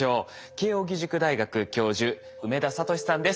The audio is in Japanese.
慶應義塾大学教授梅田聡さんです。